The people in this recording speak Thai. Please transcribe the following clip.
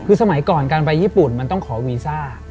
คือสมัยก่อนการไปญี่ปุ่นมันต้องขอวีซ่า